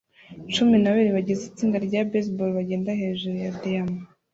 cumi na babiri bagize itsinda rya baseball bagenda hejuru ya diyama